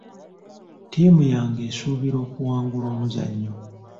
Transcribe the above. Ttiimu yange esuubira okuwangula omuzannyo.